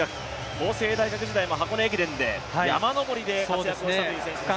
法政大学時代も箱根駅伝で山登りで活躍したという選手ですね。